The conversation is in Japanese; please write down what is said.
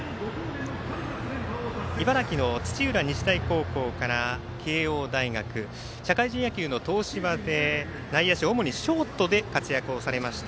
茨城の土浦日大高校から慶応大学社会人野球の東芝で内野手、主にショートで活躍をされました。